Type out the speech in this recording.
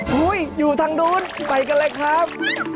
โอ้โฮอยู่ทางโน้นไปกันเลยครับ